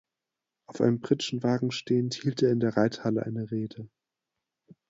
Auf einem Pritschenwagen stehend hielt er in der Reithalle eine Rede.